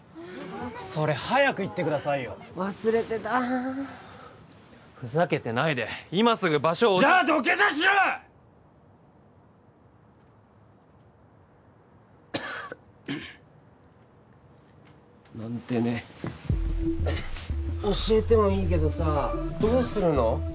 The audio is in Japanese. それ早く言ってくださいよ忘れてたふざけてないで今すぐ場所をじゃあ土下座しろ！なんてね教えてもいいけどさどうするの？